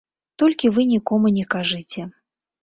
Толькі вы нікому не кажыце.